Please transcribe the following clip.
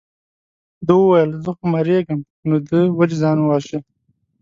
ده وویل زه خو مرېږم نو ده ولې ځان وواژه.